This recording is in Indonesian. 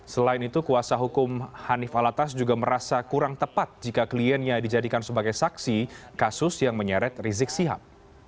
selain itu kuasa hukum hanif alatas juga merasa kurang tepat jika kliennya dijadikan sebagai saksi kasus yang menyeret rizik sihab